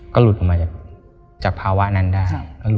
ก็หลุดออกมาจากภาวะนั้นได้